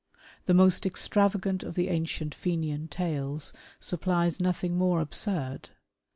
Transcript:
The most extra vagant of the ancient Fenian tales supplies nothing more absurd.